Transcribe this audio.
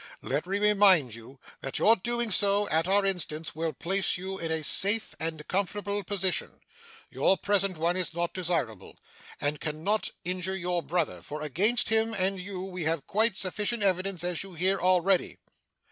Let me remind you that your doing so, at our instance, will place you in a safe and comfortable position your present one is not desirable and cannot injure your brother; for against him and you we have quite sufficient evidence (as you hear) already.